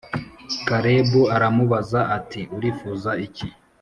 Kalebu aramubaza ati urifuza iki